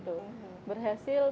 oven di dalam kilang